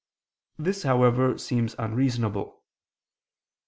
This, however, seems unreasonable.